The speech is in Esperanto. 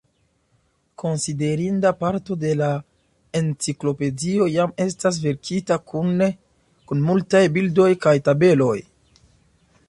Konsiderinda parto de la enciklopedio jam estas verkita kune kun multaj bildoj kaj tabeloj.